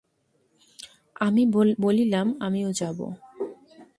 আমি বলিলাম, আমিও যাইব।